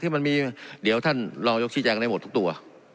มันมีเดี๋ยวท่านรองยกชี้แจงได้หมดทุกตัว